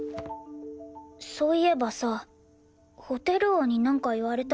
そういえばさホテル王になんか言われた？